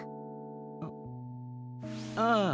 あっああ。